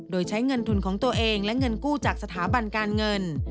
โดยใช้เงินทุนของตัวเองและเงินกู้จากสถาบันการเงิน